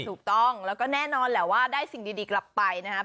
ถูกต้องแล้วก็แน่นอนแหละว่าได้สิ่งดีกลับไปนะครับ